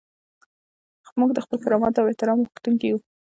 موږ د خپل کرامت او احترام غوښتونکي یو.